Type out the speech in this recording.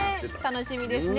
楽しみですね。